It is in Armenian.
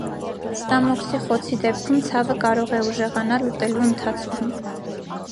Ստամոքսի խոցի դեպքում ցավը կարող է ուժեղանալ ուտելու ընթացքում։